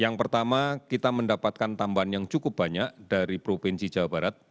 yang pertama kita mendapatkan tambahan yang cukup banyak dari provinsi jawa barat